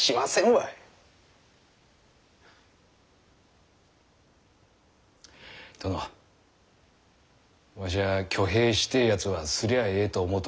わしゃ挙兵してえやつはすりゃあええと思うとります。